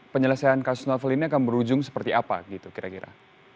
penyelesaian kasus novel ini akan berujung seperti apa gitu kira kira